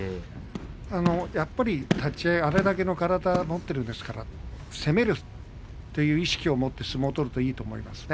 やっぱり立ち合いあれだけの体を持っているんですから攻めるという意識を持って相撲を取るといいと思いますね。